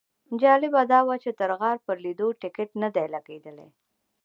جالبه دا وه چې د غار پر لیدلو ټیکټ نه دی لګېدلی.